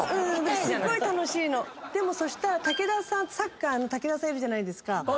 楽しいの⁉でもそしたら武田さんサッカーの武田さんいるじゃないですか。